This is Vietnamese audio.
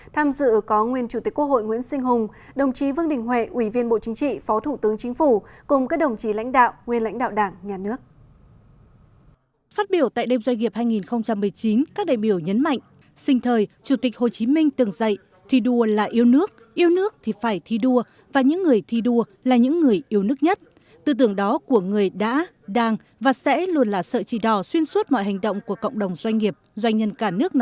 tham dự có nguyên chủ tịch quốc hội nguyễn sinh hùng đồng chí vương đình huệ ủy viên bộ chính trị phó thủ tướng chính phủ cùng các đồng chí lãnh đạo nguyên lãnh đạo đảng nhà nước